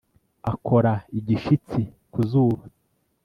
akora igishitsi ku zuba